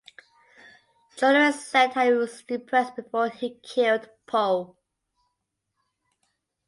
Jonaris said that he was depressed before he killed Poh.